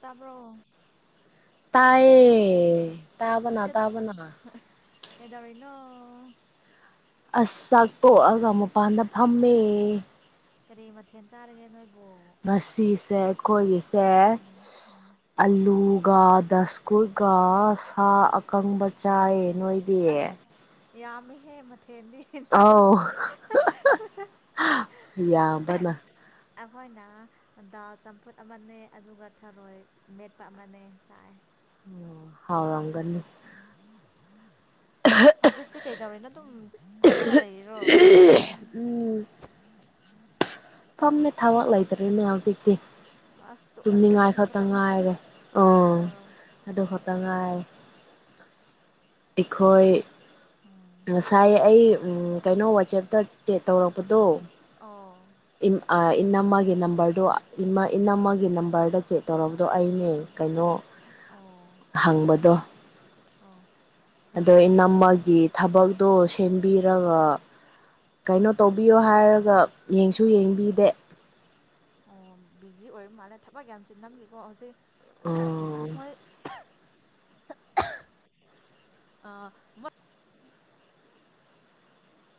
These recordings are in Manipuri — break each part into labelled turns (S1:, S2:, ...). S1: ꯇꯥꯕ꯭ꯔꯣ
S2: ꯇꯥꯏꯌꯦ ꯇꯥꯕꯅ ꯇꯥꯕꯅ
S1: ꯀꯩꯗꯧꯔꯔꯤꯩꯅꯣ
S2: ꯑꯁ ꯆꯥꯛꯇꯣꯛꯑꯒ ꯃꯄꯥꯟꯗ ꯐꯝꯃꯦ
S1: ꯀꯔꯤ ꯃꯊꯦꯜ ꯆꯥꯔꯤꯒꯦ ꯅꯣꯏꯕꯨ
S2: ꯉꯁꯤꯁꯦ ꯈꯣꯏꯁꯦ
S1: ꯎꯝ ꯎꯝ
S2: ꯑꯂꯨꯒ ꯗꯁꯀꯨ ꯀ ꯁꯥ ꯑꯀꯪꯕ ꯆꯥꯏ ꯅꯣꯏꯗꯤ
S1: ꯌꯥꯃꯦꯍꯦ ꯊꯦꯟꯗꯤ ꯏꯁꯗ [unintelligible]
S2: ꯑꯧ ꯌꯥꯝꯕꯅ
S1: ꯑꯩꯈꯣꯏꯅ ꯗꯥꯜ ꯆꯝꯐꯨꯠ ꯑꯃꯅꯦ ꯑꯗꯨꯒ ꯊꯔꯣꯏ ꯃꯦꯠꯄ ꯑꯃꯅꯦ ꯆꯥꯏ
S2: ꯎꯝ ꯍꯥꯎꯔꯝꯒꯅꯤ
S1: ꯍꯧꯖꯤꯛꯇꯤ ꯀꯩꯗꯧꯔꯤꯅꯣ ꯑꯗꯨꯝ ꯐꯝꯃꯒ ꯂꯩꯔꯤꯔꯣ
S2: ꯎꯝ ꯐꯝꯃꯦ ꯊꯕꯛ ꯂꯩꯇ꯭ꯔꯦꯅꯦ ꯍꯧꯖꯤꯛꯇꯤ
S1: ꯑꯁ ꯑꯗꯨꯗ
S2: ꯇꯨꯝꯅꯤꯡꯉꯥꯏ
S1: ꯇꯨꯝꯕ
S2: ꯈꯛꯇ
S1: ꯈꯛꯇꯪ
S2: ꯉꯥꯏꯔꯦ ꯑꯣ ꯑꯗꯨ ꯈꯇꯪꯉꯥꯏ ꯑꯩꯈꯣꯏ ꯉꯁꯥꯏ ꯑꯩ ꯀꯩꯅꯣ ꯋꯥꯆꯦꯞꯇ ꯆꯦꯛ ꯇꯧꯔꯛꯄꯗꯣ
S1: ꯑꯣ
S2: ꯏꯅꯝꯃꯒꯤ ꯅꯝꯕꯔꯗꯣ ꯏꯅꯝꯃꯒꯤ ꯅꯝꯕꯔꯗ ꯆꯦꯛ ꯇꯧꯔꯕꯗꯣ ꯑꯩꯅꯦ ꯀꯩꯅꯣ ꯍꯪꯕꯗꯣ
S1: ꯑꯣ
S2: ꯑꯗꯣ ꯏꯅꯝꯃꯒꯤ ꯊꯕꯛꯇꯣ ꯁꯦꯝꯕꯤꯔꯒ ꯀꯩꯅꯣ ꯇꯧꯕꯤꯌꯣ ꯍꯥꯏꯔꯒ ꯌꯦꯡꯁꯨ ꯌꯦꯡꯕꯤꯗꯦ
S1: ꯑꯣ ꯕꯤꯖꯤ ꯑꯣꯏꯔ ꯃꯥꯜꯂꯦ ꯊꯕꯛ ꯌꯥꯝ ꯆꯤꯟ ꯅꯝꯈꯤꯀꯣ ꯍꯧꯖꯤꯛ
S2: ꯑꯣ
S1: ꯑ [unintelligible] ꯃ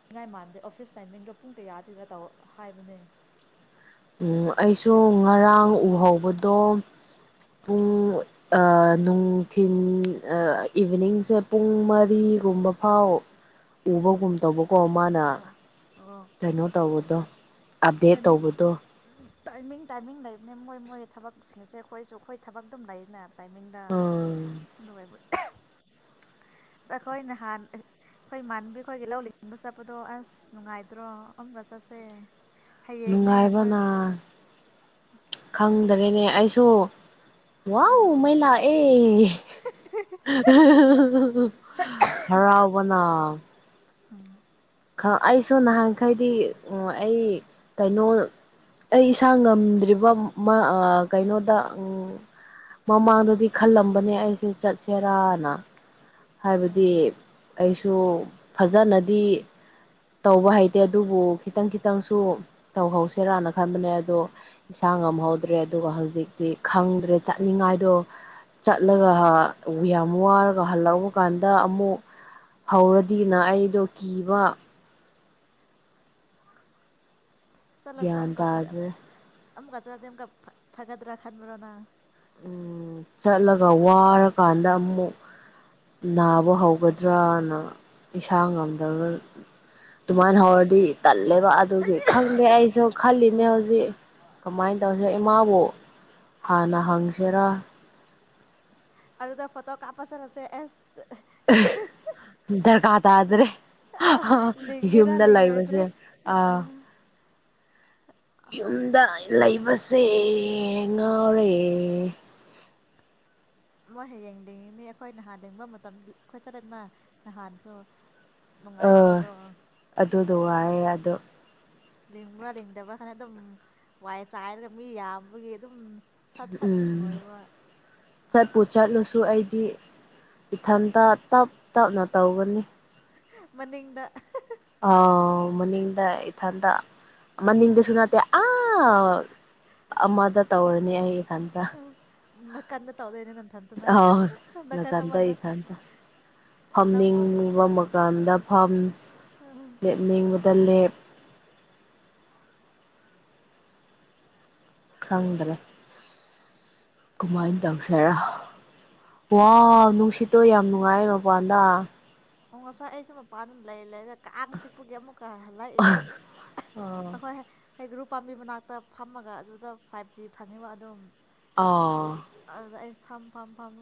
S1: ꯄꯅꯤꯡꯉꯥꯏ ꯃꯥꯟꯗꯦ ꯑꯣꯐꯤꯁ ꯇꯥꯏꯃꯤꯡꯗꯣ ꯄꯨꯡ ꯀꯌꯥ ꯊꯤꯒ ꯇꯧ ꯍꯥꯏꯕꯅꯦ
S2: ꯎ ꯑꯩꯁꯨ ꯉꯔꯥꯡ ꯎꯍꯧꯕꯗꯣ ꯄꯨꯡ ꯅꯨꯡꯊꯤꯟ ꯏꯚꯤꯅꯤꯡꯁꯦ ꯄꯨꯡ ꯃꯔꯤ ꯐꯤꯒꯨꯝꯕ ꯐꯥꯎ ꯎꯕꯒꯨꯝ ꯇꯧꯕ ꯀꯣ ꯃꯥꯅ
S1: ꯑꯣ ꯑꯣ
S2: ꯀꯩꯅꯣ ꯇꯧꯕꯗꯣ ꯑꯞꯗꯦꯠ
S1: ꯇꯥꯏꯃꯤꯡ
S2: ꯇꯧꯕꯗꯣ
S1: ꯇꯥꯏꯃꯤꯡ ꯇꯥꯏꯃꯤꯡ ꯂꯩꯕꯅꯤ ꯃꯣꯏ ꯃꯣꯏ ꯊꯕꯛꯁꯤꯡ ꯑꯁꯦ ꯑꯩꯈꯣꯏꯁꯨ ꯑꯩꯈꯣꯏ ꯊꯕꯛ ꯑꯗꯨꯝ ꯂꯩꯅꯦ ꯇꯥꯏꯃꯤꯡꯗ
S2: ꯎꯝ
S1: ꯑꯗꯨꯒ ꯆꯈꯣꯏꯅꯦ ꯍꯥꯟ ꯑꯩꯈꯣꯏ ꯏꯃꯥꯟꯕꯤ ꯑꯩꯈꯣꯏꯒꯤ ꯂꯧ ꯂꯤꯡꯅꯤꯡꯕ ꯆꯠꯄꯗꯣ ꯑꯁ ꯅꯨꯡꯉꯥꯏꯗ꯭ꯔꯣ ꯑꯃꯒ ꯆꯠꯁꯦ ꯍꯌꯦꯡꯅꯦ ꯃꯣꯏ
S2: ꯅꯨꯡꯉꯥꯏꯕꯅ ꯈꯪꯗ꯭ꯔꯦꯅꯦ ꯑꯩꯁꯨ ꯋꯥꯎ ꯃꯥꯏ ꯂꯥꯑꯦ ꯍꯔꯥꯎꯕꯅꯥ
S1: ꯑꯝ [inaudible]
S2: ꯑꯣ ꯑꯩ ꯀꯩꯅꯣ ꯑꯩ ꯏꯁꯥ ꯉꯝꯗ꯭ꯔꯤꯕ ꯀꯩꯅꯣꯗ ꯃꯃꯥꯡꯗꯗꯤ ꯈꯜꯂꯝꯕꯅꯦ ꯑꯩꯁꯦ ꯆꯠꯁꯦꯔꯥꯅ ꯍꯥꯏꯕꯗꯤ
S1: ꯑꯥ
S2: ꯑꯩꯁꯨ ꯐꯖꯅꯗꯤ ꯇꯧꯕ ꯍꯩꯇꯦ ꯑꯗꯨꯕꯨ ꯈꯤꯇꯪ ꯈꯤꯇꯪꯁꯨ ꯇꯧꯍꯧꯁꯤꯔꯥꯅ ꯈꯟꯕꯅꯦ ꯑꯗꯣ ꯏꯁꯥꯡ ꯉꯃꯛ ꯐꯍꯗ꯭ꯔꯦ ꯑꯗꯨꯒ ꯍꯧꯖꯤꯛꯇꯤ ꯈꯪꯗ꯭ꯔꯦ ꯆꯠꯂꯤꯉꯥꯏꯗꯣ ꯆꯠꯂꯒ ꯌꯥꯝ ꯋꯥꯔꯒ ꯍꯜꯂꯛꯕ ꯀꯥꯟꯗ ꯑꯃꯨꯛ ꯍꯧꯔꯗꯤꯅ ꯑꯩꯗꯣ ꯀꯤꯕ
S1: ꯆꯠꯂꯁꯨ
S2: ꯒ꯭ꯌꯥꯟ
S1: ꯑꯃ ꯐ
S2: ꯇꯥꯗ꯭ꯔꯦ
S1: ꯑꯃꯀ ꯆꯠꯗꯤ ꯐꯥꯒꯠꯗ꯭ꯔꯥ ꯈꯥꯟꯕꯣꯅ
S2: ꯎꯝ ꯆꯠꯂꯒ ꯋꯥꯔꯀꯥꯟꯗ ꯑꯃꯨꯛ ꯅꯥꯕ ꯍꯧꯒꯗ꯭ꯔꯅ ꯏꯁꯥ ꯉꯝꯗꯕ ꯑꯗꯨꯃꯥꯏꯅ ꯍꯧꯔꯗꯤ ꯇꯜꯂꯦꯕ ꯑꯗꯨꯒꯤ ꯈꯪꯗꯦ ꯑꯩꯁꯨ ꯈꯜꯂꯤꯅꯦ
S1: ꯑꯣ
S2: ꯍꯧꯖꯤꯛ ꯀꯃꯥꯏꯅ ꯇꯧꯁꯦ ꯏꯃꯥꯕꯨ ꯍꯥꯟꯅ ꯍꯪꯁꯤꯔꯥ
S1: ꯗ ꯐꯇꯣ ꯀꯥꯄꯁ ꯅꯠꯇ ꯑꯦꯁ
S2: ꯗꯔꯀꯥꯇꯗ꯭ꯔꯦ
S1: ꯑ ꯂꯤꯉꯦꯔ ꯂꯤꯉ ꯑꯣꯏꯗ꯭ꯔ ꯑ
S2: ꯑꯥ ꯌꯨꯝꯗ ꯂꯩꯕ ꯔꯦ ꯉꯔꯦ
S1: ꯃꯣꯏ ꯍꯌꯦ ꯌꯦꯡꯅꯤꯡꯡꯉꯤꯅꯤ ꯑꯩꯈꯣꯏ ꯅꯍꯥꯟ ꯌꯦꯤꯡꯕ ꯃꯇꯝꯗ ꯑꯩꯈꯣꯏ ꯆꯠꯂꯦꯅ ꯅꯍꯥꯟꯁꯨ
S2: ꯑ
S1: ꯅꯨꯡꯉꯥꯏꯇ꯭ꯔꯣ ꯑꯗꯣ
S2: ꯑꯗꯨꯗ ꯋꯥꯌꯦ ꯑꯗꯣ
S1: ꯂꯤꯡꯕ꯭ꯔꯥ ꯂꯤꯡꯗꯕ꯭ꯔꯥ ꯈꯅ ꯑꯗꯨꯝ ꯋꯥꯏ ꯆꯥꯏꯔꯒ ꯃꯤ ꯌꯥꯝꯕꯒꯤ ꯑꯗꯨꯝ ꯁꯠ ꯁꯠ ꯑꯗꯨꯝ
S2: ꯎꯝ
S1: ꯂꯣꯏꯕ
S2: ꯁ ꯄꯣꯆꯂꯨ ꯁꯨ ꯑꯩꯗꯤ ꯏꯊꯟꯇ ꯇꯞ ꯇꯞꯅ ꯇꯧꯒꯅꯤ
S1: ꯃꯅꯤꯗ
S2: ꯑ ꯃꯅꯤꯡꯗ ꯏꯊꯟꯗ ꯃꯅꯤꯡꯗꯁꯨ ꯅꯠꯇꯦ ꯑꯥ ꯑꯃꯗ ꯇꯧꯔꯅꯤ ꯑꯩ ꯏꯊꯟꯇ
S1: ꯅꯥꯀꯟꯗ ꯇꯧꯗꯣꯏꯅꯦ ꯅꯟꯊꯟꯇꯅ
S2: ꯑꯥꯎ
S1: ꯅꯥꯀꯟ
S2: ꯅꯥꯀꯟꯗ
S1: ꯑꯃꯗ
S2: ꯏꯊꯟꯇ
S1: ꯅꯪꯕꯨ
S2: ꯐꯝꯅꯤꯡꯕ ꯃꯀꯥꯟꯗ ꯐꯝ ꯂꯦꯞꯅꯤꯡꯕ ꯗ ꯂꯩꯦ ꯈꯪꯗ꯭ꯔꯦ ꯀꯃꯥꯏꯅ ꯇꯧꯁꯦꯔꯥ ꯋꯥ ꯅꯨꯡꯁꯤꯠꯇꯣ ꯌꯥꯝ ꯅꯨꯡꯉꯥꯏ ꯃꯄꯥꯟꯗ
S1: ꯑꯣ ꯉꯁꯥꯏ ꯑꯩꯁꯨ ꯃꯄꯥꯟꯗꯨꯝ ꯂꯩ ꯂꯩꯔ ꯀꯥꯡ ꯆꯤꯛꯄꯒꯤ ꯑꯃꯨꯛ ꯀ ꯍꯜꯂꯥꯛꯏꯅꯦ
S2: ꯑꯥ
S1: ꯑꯩꯈꯣꯏ ꯍꯩ ꯒ꯭ꯔꯨ ꯄꯥꯝꯕꯤ ꯃꯅꯥꯛꯇ ꯐꯝꯃꯒ ꯑꯗꯨꯗ ꯐꯥꯏꯚ ꯖꯤ ꯐꯪꯉꯤꯕ ꯑꯗꯨꯝ
S2: ꯑꯣ
S1: ꯑꯗꯨꯗ ꯑꯩ ꯐꯝ ꯐꯝ ꯐꯝ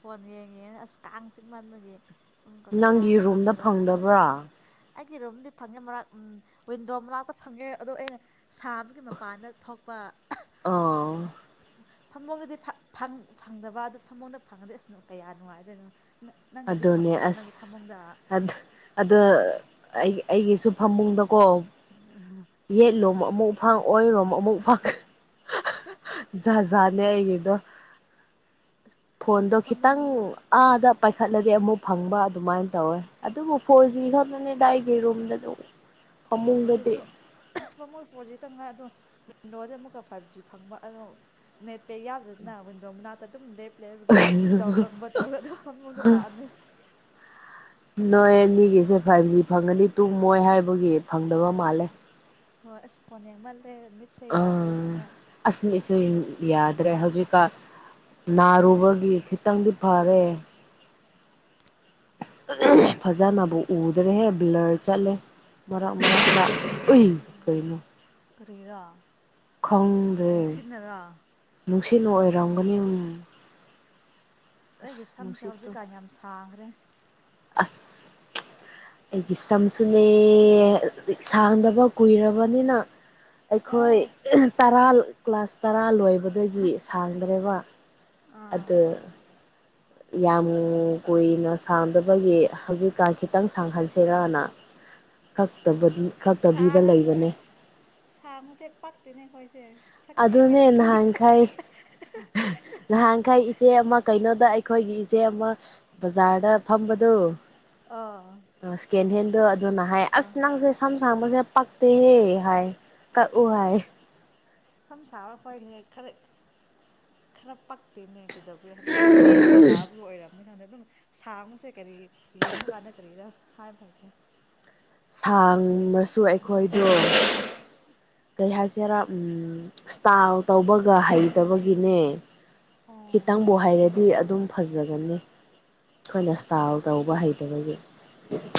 S1: ꯐꯣꯟ ꯌꯦꯡꯉꯦ ꯑꯁ ꯀꯥꯡ ꯆꯤꯛꯃꯟꯕꯒꯤ ꯑꯃꯨꯛꯀ
S2: ꯅꯪꯒꯤ
S1: ꯈꯥꯡꯕ
S2: ꯔꯨꯝꯗ
S1: ꯉꯝꯗ꯭ꯔꯥ
S2: ꯐꯪꯗꯕ꯭ꯔꯥ
S1: ꯑꯩꯒꯤ ꯔꯨꯝꯗꯤ ꯐꯪꯉꯦ ꯃꯛ ꯋꯤꯟꯗꯣ ꯃꯅꯥꯛꯇ ꯐꯪꯉꯦ ꯑꯗꯣ ꯑꯩꯅ ꯁꯥꯕꯒꯤ ꯃꯄꯥꯟꯗ ꯊꯣꯛꯄ
S2: ꯑ
S1: ꯐꯃꯨꯡꯗꯗꯤ ꯐꯪꯗꯕ ꯑꯗꯨ ꯐꯃꯨꯡꯗ ꯐꯪꯉꯗꯣꯏꯁꯅꯣ ꯀꯌꯥ ꯅꯨꯡꯉꯥꯏꯗꯣꯏꯅꯣ ꯅꯪꯒꯤꯗꯤ
S2: ꯑꯗꯨꯅꯦ
S1: ꯐꯪꯕ꯭ꯔꯣ
S2: ꯑꯁ
S1: ꯅꯪꯒꯤ ꯐꯃꯨꯡꯗ
S2: ꯑꯣ ꯑꯩ ꯑꯩꯒꯤꯁꯨ ꯐꯃꯨꯡꯗ ꯀꯣ ꯌꯦꯠꯂꯣꯝ ꯑꯃꯨꯛ ꯐꯪ ꯑꯣꯏꯔꯣꯝ ꯑꯃꯨꯛ ꯐꯪ ꯖꯥꯅꯦꯦ ꯍꯥꯏꯒꯗꯣ ꯐꯣꯟꯗꯣ ꯈꯤꯇꯪ
S1: ꯐꯃꯨꯡꯗ
S2: ꯑꯥꯗ ꯄꯥꯏꯈꯠꯂꯗꯤ ꯑꯃꯨꯛ ꯐꯪꯕ ꯑꯗꯨꯃꯥꯏꯅ ꯇꯧꯋꯦ ꯑꯗꯨꯕꯨ ꯐꯣꯔ ꯖꯤ ꯈꯛꯇꯅꯤꯗ ꯑꯩꯒꯤ ꯔꯨꯝꯗ ꯑꯗꯨꯝ ꯐꯃꯨꯡꯗꯗꯤ
S1: ꯑꯣꯏꯁꯨ ꯃꯖꯤ ꯈꯤꯥꯏ ꯑꯗꯣ ꯋꯤꯟꯗꯣꯗ ꯑꯃꯨꯛꯀ ꯐꯥꯏꯚ ꯖꯤ ꯐꯪꯕ ꯑ ꯅꯦꯠꯄꯦ ꯌꯥꯎꯗ꯭ꯔꯗꯅ ꯋꯤꯟꯗꯣ ꯃꯅꯥꯛꯇ ꯑꯗꯨꯝ ꯂꯦꯞ ꯂꯦꯞꯒ ꯗꯥꯎ ꯂꯣꯒꯨꯝꯕ ꯇꯧꯔꯒ ꯑꯗꯨꯝ ꯐꯃꯨꯡꯗ ꯂꯥꯛꯑꯅꯤ
S2: ꯅꯣꯏꯅꯤꯒꯤꯁꯦ ꯐꯥꯏꯚ ꯖꯤ ꯐꯪꯒꯅꯤ ꯇꯨꯡꯃꯣꯏ ꯍꯥꯏꯕꯒꯤ ꯐꯪꯗꯕ ꯃꯥꯜꯂꯦ
S1: ꯍꯣꯏ ꯑꯁ ꯐꯣꯟ ꯌꯦꯡꯃꯜꯂꯦ ꯃꯤꯠꯁꯦ ꯌꯥꯗ꯭ꯔꯦ ꯍꯥꯏꯅ
S2: ꯁ ꯌꯥꯗ꯭ꯔꯦ ꯍꯧꯖꯤꯛꯀ ꯅꯥꯔꯨꯕꯒꯤ ꯈꯤꯇꯪꯗꯤ ꯐꯔꯦ ꯐꯖꯅꯕꯨ ꯎꯗ꯭ꯔꯦꯍꯦ ꯕꯂꯔ ꯆꯠꯂꯦ ꯃꯔꯛ ꯃꯔ ꯑꯣꯏ ꯀꯅ
S1: ꯀꯔꯤꯔꯥ ꯅꯨꯡꯁꯤꯠꯅꯔꯥ
S2: ꯈꯪꯗꯅꯨꯡ ꯁꯤꯅ ꯑꯣꯏꯔꯝꯒꯅꯤ ꯎ
S1: ꯑꯁ ꯑꯩꯒꯤ ꯁꯝꯁꯦ ꯍꯧꯖꯤꯛꯀꯥꯟ ꯌꯥꯝ ꯁꯥꯡꯈ꯭ꯔꯦ
S2: ꯑ ꯑꯩꯒꯤ ꯆꯝꯁꯨꯂ ꯁꯥꯡꯗꯕ ꯀꯨꯏꯔꯕꯅꯤꯅ ꯑꯩꯈꯣꯏ
S1: ꯑꯧ
S2: ꯇꯔꯥ ꯀ꯭ꯂꯥꯁ ꯇꯔꯥ ꯂꯣꯏꯕꯗꯒꯤ ꯁꯥꯡꯗ꯭ꯔꯦꯕ ꯑ
S1: ꯑꯥ
S2: ꯌꯥꯝ ꯀꯨꯏꯅ ꯁꯥꯡꯗꯕꯒꯤ ꯍꯧꯖꯤꯛꯀꯥꯟ ꯈꯤꯇꯪ ꯁꯥꯡꯍꯟꯁꯤꯔꯅ ꯀꯛꯇꯕꯗꯤ ꯀꯛꯇꯕꯤꯗ
S1: ꯁꯥꯡꯉꯁꯨ
S2: ꯂꯩꯕꯅꯦ
S1: ꯑꯁ ꯁꯥꯡꯕꯁꯦ ꯄꯛꯇꯤꯅꯦ ꯑꯩꯈꯣꯏꯁꯦ ꯁꯛ
S2: ꯑꯗꯨꯅꯦ
S1: ꯊꯤꯕꯤꯔ
S2: ꯅꯍꯥꯟꯈꯥꯏ ꯅꯍꯥꯟꯈꯥꯏ ꯏꯆꯦ ꯑꯃ ꯀꯩꯅꯣꯗ ꯑꯩꯈꯣꯏꯒꯤ ꯏꯆꯦ ꯑꯃ ꯕꯖꯥꯔꯗ ꯐꯝꯕꯗꯨ
S1: ꯑꯥ
S2: ꯁꯀꯦꯟ ꯍꯦꯟꯗꯣ ꯑꯗꯨꯅ ꯍꯥꯏ
S1: ꯑꯥ
S2: ꯑꯁ ꯅꯪꯁꯦ ꯁꯃ ꯄꯥꯛꯇ ꯍꯦ ꯍꯥꯏ ꯀ ꯎ ꯍꯥꯏ
S1: ꯁꯝ ꯁꯥꯕ ꯈꯣꯏꯅꯦ ꯈꯔ ꯈꯔ ꯄꯛꯇꯦꯅꯦ ꯀꯩꯗꯕꯨ ꯑꯗꯨꯝ ꯇꯦꯟꯒ ꯂꯥꯕꯒꯤ ꯑꯣꯏꯔꯝꯅꯤ ꯈꯪꯗꯦ ꯑꯗꯨꯝ ꯁꯥꯡꯕꯁꯦ ꯀꯔꯤ ꯌꯦꯃ ꯀꯥꯟꯗ ꯀꯔꯤꯗ ꯍꯥꯏ ꯐꯥꯏꯇ
S2: ꯊꯥꯡꯃꯁꯨ ꯑꯩꯈꯣꯏꯗꯣ ꯀꯩ ꯍꯥꯏꯁꯤꯦꯔꯥ ꯎ ꯏꯁꯇꯥꯜ ꯇꯧꯕꯒ ꯍꯩꯇꯕꯒꯤꯅꯦ ꯈꯤꯇꯪꯕꯨ ꯍꯥꯏꯔꯗꯤ ꯑꯗꯨꯝ ꯐꯖꯒꯅꯤ ꯑꯩꯈꯣꯏꯅ ꯏꯁꯇꯥꯜ ꯇꯧꯕ ꯍꯩꯇꯕꯒꯤ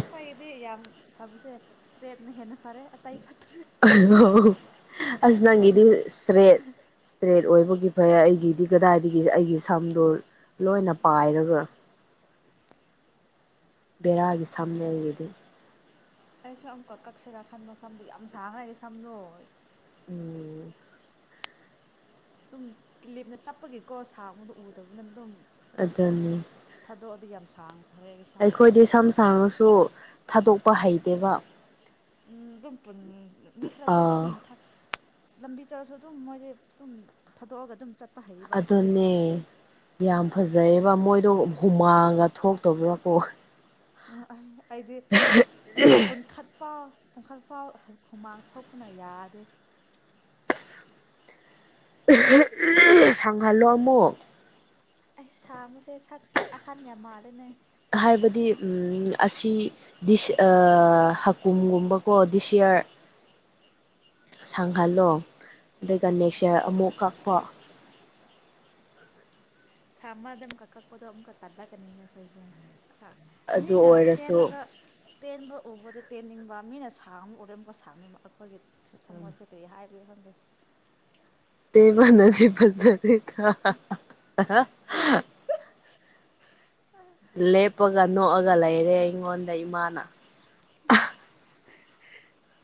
S1: ꯑꯩꯈ꯭ꯣꯏꯒꯤꯗꯤ ꯌꯥꯝ ꯐꯕꯁꯦ ꯏꯁꯇ꯭ꯔꯦꯠꯅ ꯍꯦꯟꯅ ꯐꯔꯦ ꯑꯇꯩ ꯐꯠꯇ꯭ꯔꯦ
S2: ꯑꯁ ꯅꯪꯒꯦꯗꯤ ꯁꯇ꯭ꯔꯦꯠ ꯁ꯭ꯔꯦ ꯑꯣꯏꯕꯒꯤ ꯐꯩ ꯑꯩꯒꯤꯗꯤ ꯀꯗꯥꯏꯗꯒꯤ ꯑꯩꯒꯤ ꯁꯝꯗꯣ ꯂꯣꯏꯅ ꯄꯥꯏꯔꯒ ꯕꯔꯒꯤ ꯁꯝꯅ ꯂꯩꯗꯤ
S1: ꯑꯩꯁꯨ ꯑꯃꯨꯛꯀ ꯀꯛꯁꯤꯦꯔꯥ ꯈꯟꯕ ꯁꯝꯗꯣ ꯌꯥꯝ ꯁꯥꯡꯉꯗꯤ ꯁꯝꯅꯣ
S2: ꯎꯝ
S1: ꯑꯗꯨꯝꯤ ꯂꯦꯞꯅ ꯆꯠꯄꯒꯤꯀꯣ ꯁꯥ ꯑꯃꯗ ꯎꯗꯕꯅ ꯑꯗꯨꯝ
S2: ꯑꯗꯨꯅꯤ
S1: ꯑꯗꯨꯗꯤ ꯌꯥꯝꯁꯥꯡ
S2: ꯑꯩꯈꯣꯏꯗꯤ ꯁꯝ ꯁꯥꯡꯅꯁꯨ ꯊꯥꯗꯣꯛꯄ ꯍꯩꯇꯦꯕ
S1: ꯎꯝ ꯑꯗꯨꯝ ꯃꯤꯈꯔꯗꯤ ꯑꯗꯨꯝ
S2: ꯑꯥ
S1: ꯂꯝꯕꯤ ꯆꯠꯂꯁꯨ ꯑꯗꯨꯝ ꯃꯣꯏꯁꯦ ꯑꯗꯨꯝ ꯊꯥꯗꯣꯛꯑꯒ ꯑꯗꯨꯝ ꯆꯠ
S2: ꯑꯗꯨꯅꯦ ꯌꯥꯝ ꯐꯖꯩ ꯃꯣꯏꯗꯣ ꯍꯨꯃꯥꯡꯒ ꯊꯣꯛꯇꯧꯕ꯭ꯔꯥꯀꯣ
S1: ꯑꯩꯗꯤ ꯄꯨꯟꯈꯠꯄ ꯄꯨꯡꯈꯛ ꯐꯥꯎ ꯈꯨꯃꯥꯡ ꯊꯣꯛꯄꯅ ꯌꯥꯗꯦ
S2: ꯁꯪꯍꯜꯣ ꯑꯃꯃꯛ
S1: ꯑꯩ ꯁꯥꯉꯨꯁꯦ ꯁꯛꯁꯦ ꯑꯍꯟ ꯌꯥꯝ ꯃꯥꯜꯂꯦꯅꯦ
S2: ꯍꯥꯏꯕꯗꯤ ꯑꯁꯤꯁ ꯍꯀꯨꯝꯒꯨꯝꯕꯀꯣ ꯗꯤꯁꯌꯥꯌꯥꯔ ꯁꯥꯡꯍꯜꯂꯣ ꯑꯗꯨꯒ ꯅꯦꯛꯆꯔ ꯑꯃꯨꯛ ꯀꯛꯄ
S1: ꯁꯥꯃꯗ ꯑꯃꯛꯀ ꯀꯛꯄꯗꯣ ꯑꯃꯨꯛꯀ ꯇꯥꯗꯛꯀꯅꯤꯅꯦ ꯑꯩꯈꯣꯏꯁꯦ ꯁ
S2: ꯑꯗꯨ
S1: ꯃꯤꯅ ꯇ
S2: ꯑꯣꯏꯔꯁꯨ
S1: ꯂꯒ ꯇꯦꯟꯕ ꯎꯕꯗ ꯇꯦꯟꯅꯤꯡꯕ ꯃꯤꯅ ꯁꯥꯡꯅ ꯎꯔꯦ ꯑꯃꯨꯛꯀ ꯁꯥꯡꯅꯤꯡꯕ ꯑꯩꯈꯣꯏꯒꯤ ꯊꯃꯣꯏꯁꯦ ꯀꯔꯤ ꯍꯥꯏ ꯎꯔ ꯐꯥꯟꯗꯦꯁ
S2: ꯇ ꯃꯅ ꯄꯁꯗꯀ
S1: ꯑ
S2: ꯂꯦꯞꯄꯒ ꯅꯣꯛꯑꯒ ꯂꯩꯔꯦ ꯑꯩꯉꯣꯟꯗ ꯏꯃꯥꯅ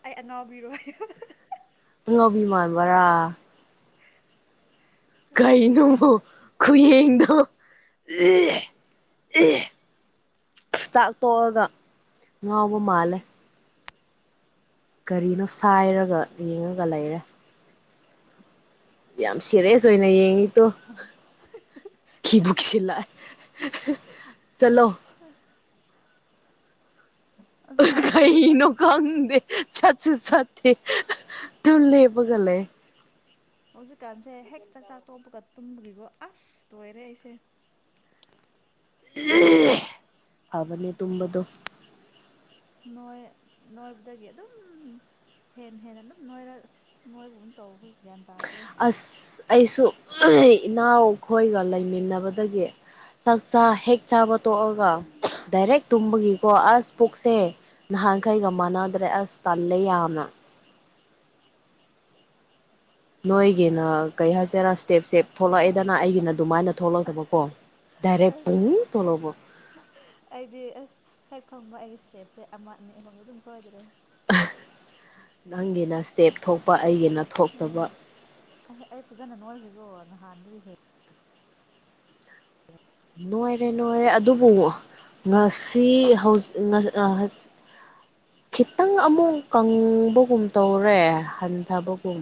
S1: ꯑꯩ ꯑꯅꯥꯎꯕꯤꯔꯣ ꯍꯥꯏ
S2: ꯅꯅꯕꯤꯃꯥꯟꯕꯔꯥ ꯀꯥꯏꯅ ꯈꯌꯦꯡꯗ ꯑꯦ ꯑꯦ ꯇꯥꯛ ꯇꯣꯛꯑꯒ ꯉꯥꯎꯕ ꯃꯥꯜꯂꯦ ꯀꯔꯤꯅꯣ ꯁꯥꯏꯔꯒ ꯌꯦꯡꯉꯒ ꯂꯩꯔꯦ ꯌꯥꯝ ꯌꯥꯝ ꯁꯤꯔꯦꯁꯣꯏꯅ ꯌꯦꯡꯉꯤꯠꯇꯣ ꯀꯕꯨꯛꯁꯤꯂꯥꯛ ꯆꯂꯣ [inaudible]
S1: ꯍꯧꯖꯤꯛꯀꯥꯟꯁꯦ ꯑꯩ ꯆꯥꯛ
S2: ꯀꯩꯅꯣ ꯈꯥꯡꯦ ꯆꯥꯆꯨ ꯆꯇꯤ ꯇꯨ ꯂꯕꯒ ꯂꯩꯦ
S1: ꯍꯧꯖꯤꯛꯀꯥꯟꯁꯦ ꯍꯦꯛ ꯆꯥꯛꯇꯥꯛ ꯇꯣꯛꯄꯒ ꯇꯨꯝꯕꯒꯤꯀꯣ ꯑꯁ ꯇꯣꯏꯔꯦ ꯑꯩꯁꯦ
S2: ꯐꯅꯤ ꯇꯝꯕꯗꯣ
S1: ꯅꯣꯏ ꯅꯣꯏ ꯖꯥꯒꯤ ꯑꯗꯨ ꯑꯗꯨꯝ ꯍꯦꯟꯅ ꯍꯦꯟꯅ ꯑꯗꯨꯝ ꯅꯣꯏꯔ ꯅꯣꯏꯒꯨꯝ ꯇꯧꯣꯏ ꯒ꯭ꯌꯥꯟ ꯇ
S2: ꯑꯁ ꯑꯩꯁꯨ ꯏꯅꯥꯎꯈꯣꯏꯒ ꯂꯩꯃꯤꯟꯅꯕꯗꯒꯤ ꯆꯥꯛꯆꯥ ꯍꯦꯛ ꯆꯥꯕ ꯇꯣꯛꯑꯒ ꯗꯥꯏꯔꯦꯛ ꯇꯨꯝꯕꯒꯤꯀꯣ ꯑꯁ ꯄꯨꯛꯁꯦ ꯅꯍꯥꯟꯈꯩꯒ ꯃꯥꯟꯅꯗ꯭ꯔꯦ ꯑꯁ ꯇꯜꯂꯦ ꯌꯥꯝꯅ ꯅꯣꯏꯒꯤꯅ ꯀꯩ ꯍꯥꯏꯁꯤꯦꯔꯥ ꯏꯁꯇꯦꯞꯁꯦ ꯊꯣꯛꯂꯛꯑꯦꯗꯅ ꯑꯩꯒꯤ ꯅ ꯑꯗꯨꯃꯥꯏꯅ ꯊꯣꯛꯂꯛꯇꯕꯀꯣ ꯗꯥꯏꯔꯦꯛ ꯄꯨꯡꯅꯤꯡ ꯊꯣꯛꯂꯛꯄ
S1: ꯑꯩꯗꯤ ꯑꯁ ꯍꯦꯛ ꯐꯪꯕ ꯑꯩꯒꯤ ꯁ꯭ꯇꯦꯞꯁꯦ ꯑꯃ ꯑꯅꯤ ꯑꯃꯝꯗꯤ ꯑꯗꯨꯝ ꯁꯣꯏꯗ꯭ꯔꯦ
S2: ꯅꯪꯒꯤꯅ ꯏꯁꯇꯦꯞ ꯊꯣꯛꯄ ꯑꯩꯒꯤꯅ ꯊꯣꯛꯇꯕ
S1: ꯎꯝ ꯑꯩ ꯐꯖꯅ ꯅꯣꯏꯈ꯭ꯔꯤꯀꯣ ꯅꯍꯥꯟꯗꯒꯤ ꯍꯦꯛ
S2: ꯅꯨꯡꯣꯏꯔꯦ ꯅꯨꯡꯉꯥꯏꯔꯦ ꯑꯗꯨꯕꯨ ꯅꯔꯁꯤ ꯍꯧ ꯈꯤꯇꯪ ꯑꯃꯨꯛ ꯀꯪꯕꯒꯨꯝ ꯇꯧꯔꯦ ꯍꯟꯊꯕꯒꯨꯝ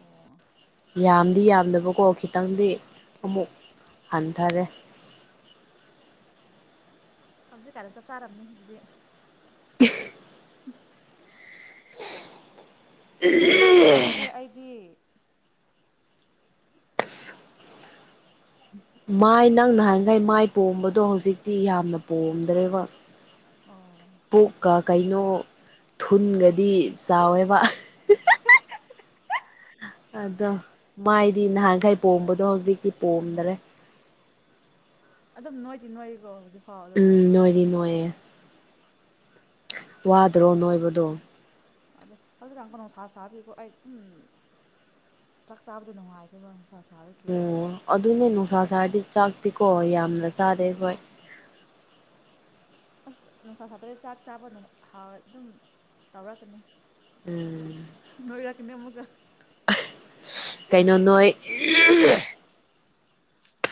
S1: ꯑꯣ
S2: ꯌꯥꯝꯗꯤ ꯌꯥꯝꯗꯕꯀꯣ ꯈꯤꯇꯪꯗꯤ ꯑꯃꯨꯛ ꯍꯟꯊꯔꯦ [inaudible]
S1: ꯍꯧꯖꯤꯛꯀꯥꯟꯅ ꯆꯞ ꯆꯥꯔꯕꯅꯤ ꯑꯗꯨꯗꯤ
S2: [inaudible]
S1: ꯍ ꯄꯨꯛꯇꯤ ꯍꯟꯗꯦ ꯑꯩꯗꯤ
S2: ꯃꯥꯏ ꯅꯪ ꯅ ꯍꯥꯏꯥꯟꯈꯥꯏ ꯃꯥꯏ ꯄꯣꯝꯕꯗꯣ ꯍꯧꯖꯤꯛꯇꯤ ꯌꯥꯝꯅ ꯄꯣꯝꯗ꯭ꯔꯦꯕ
S1: ꯑꯣ
S2: ꯄꯨꯛꯀ ꯀꯩꯅꯣ ꯊꯨꯟꯒꯗꯤ ꯆꯥꯎꯋꯦꯕ ꯑꯗꯣ ꯃꯥꯏꯗꯤ ꯅꯍꯥꯟꯈꯩ ꯄꯣꯝꯕꯗꯣ ꯍꯧꯖꯤꯛꯇꯤ ꯄꯣꯝꯗ꯭ꯔꯦ
S1: ꯑꯗꯨꯝ ꯅꯣꯏꯗꯤ ꯅꯣꯏꯏꯀꯣ ꯍꯧꯖꯤꯛ
S2: ꯎꯝ ꯅꯣꯏꯅꯤ ꯅꯣꯏꯌꯦꯦ ꯋꯥꯗ꯭ꯔꯣ ꯅꯣꯏꯕꯗꯣ
S1: ꯑꯗ ꯍꯧꯖꯤꯛ ꯂ ꯀꯩꯅ ꯅꯨꯡꯁꯥ ꯁꯥꯕꯤꯀꯣ ꯑꯩ ꯑꯗꯨꯝ [unintelligible] ꯆꯥꯛ ꯆꯥꯕꯗ ꯅꯨꯡꯉꯥꯏꯗꯕ
S2: ꯑꯣ ꯑꯗꯨꯅꯦ ꯅꯨꯡꯁꯥ ꯁꯥꯥꯔꯗꯤ ꯆꯥꯛꯇꯤꯀꯣ ꯌꯥꯝꯅ ꯆꯥꯔꯦ
S1: ꯎꯝ
S2: ꯍꯣꯏ
S1: ꯑꯁ ꯅꯨꯡꯁꯥ ꯁꯥꯇ꯭ꯔꯦ ꯆꯥꯛ ꯆꯥꯕ ꯍ ꯑꯗꯨꯝ ꯇꯧꯔꯛꯀꯅꯤ
S2: ꯎꯝ
S1: ꯅꯣꯏꯔꯥꯛꯀꯅꯤꯃꯒ
S2: ꯀꯩꯅꯣ ꯅꯣꯏ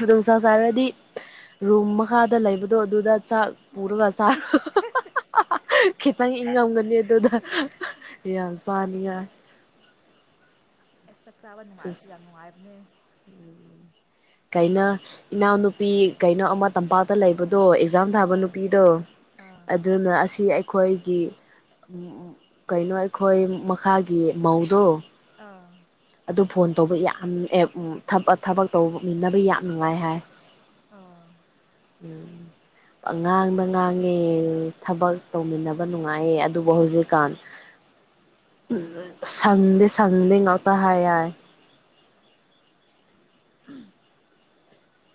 S2: ꯑꯗꯨꯗꯁ ꯆꯔꯗꯤ ꯔꯨꯝ ꯃꯈꯥꯗ ꯂꯩꯕꯗꯣ ꯑꯗꯨꯗ ꯆ ꯄꯔꯨꯒꯁꯥ [unintelligible] ꯈꯤꯇꯪ ꯏꯪꯉꯝꯒꯅꯤ ꯑꯗꯨꯗ ꯌꯥꯝ ꯆꯥꯅꯤꯡꯉꯥꯏ
S1: ꯑꯁ ꯆꯥꯛ ꯆꯥꯕ ꯅꯨꯡꯉꯥꯏꯕꯁꯨ ꯌꯥꯝ ꯅꯨꯡꯉꯥꯏꯕꯅꯦ
S2: ꯀꯩꯅꯣ ꯏꯅꯥꯎꯅꯨꯄꯤ ꯀꯩꯅꯣ ꯑꯃ ꯇꯝꯄꯥꯛꯇ ꯂꯩꯕꯗ ꯑꯗꯣ ꯑꯦꯛꯖꯥꯝ ꯊꯥꯕ
S1: ꯑꯥ
S2: ꯅꯨꯄꯤꯗꯣ
S1: ꯑꯥ
S2: ꯑꯗꯨꯅ ꯑꯁꯤ ꯑꯩꯈꯣꯏꯒꯤ ꯀꯩꯅꯣ ꯑꯩꯈꯣꯏ ꯃꯈꯥꯒꯤ ꯃꯧꯗꯣ
S1: ꯑꯥ
S2: ꯑꯗꯨ ꯐꯣꯟ ꯇꯧꯕ ꯌꯥꯝ ꯑꯦ ꯊꯕꯛ ꯇꯧꯃꯤꯟꯅꯕ ꯌꯥꯝ ꯅꯨꯡꯉꯥꯏ ꯍꯥꯏ
S1: ꯑꯥ
S2: ꯎꯝ ꯉꯥꯡꯗ ꯉꯥꯡꯉꯦ ꯊꯕꯛ ꯇꯧꯃꯤꯟꯅꯕ ꯅꯨꯡꯉꯥꯏꯌꯦ ꯑꯗꯨꯕꯨ ꯍꯧꯖꯤꯛꯀꯥꯟ ꯎꯝ ꯁꯪꯗ ꯁꯪꯗꯤ ꯉꯇꯥ
S1: ꯑꯥ
S2: ꯍꯥꯏ [unintelligible]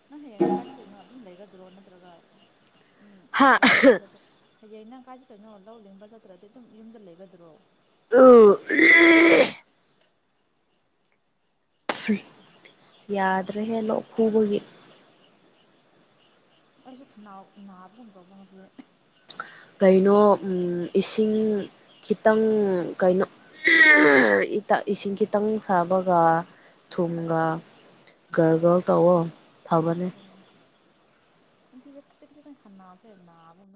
S1: ꯅꯪ ꯍꯩꯔꯅꯤ ꯀꯥꯏꯁꯤꯠꯇꯣꯏꯅꯣ ꯑꯗꯨꯝ ꯂꯩꯒꯗ꯭ꯔꯣ ꯅꯠꯇ꯭ꯔꯒ ꯎꯝ
S2: ꯍꯥ
S1: ꯇꯧꯅꯤꯡꯕꯖꯗ ꯍꯌꯦ ꯅꯪ ꯀꯥꯏ ꯆꯠꯇꯣꯏꯅꯣ ꯂꯧ ꯂꯤꯡꯕ ꯆꯠꯇ꯭ꯔꯗꯤ ꯑꯗꯨꯝ ꯌꯨꯝꯗ ꯂꯩꯒꯗ꯭ꯔꯣ
S2: ꯑꯣ [unintelligible] ꯌꯥꯗ꯭ꯔꯦꯍꯦ ꯂꯣꯛ ꯈꯨꯨꯕꯒꯤ
S1: ꯑꯩꯁꯨꯅꯥꯎ ꯅꯥꯕꯒꯨꯝ ꯇꯧꯕ ꯉꯁꯦ
S2: ꯀꯩꯅꯣ ꯏꯁꯤꯡ ꯈꯤꯇꯪ ꯀꯩꯅꯣ ꯏꯁꯤꯡ ꯈꯤꯇꯪ ꯁꯥꯕꯒ ꯊꯨꯝꯒ ꯒꯔ ꯒꯔ ꯇꯧꯋꯣ ꯊꯕꯅꯦ
S1: ꯁꯤ ꯀꯁꯤꯗꯅ ꯈꯥꯟꯅꯥꯑꯣꯆꯦ [unintelligible]